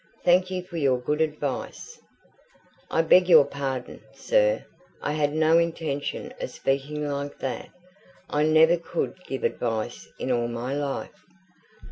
Thank you for your good advice." "I beg your pardon, sir; I had no intention of speaking like that. I never could give advice in all my life.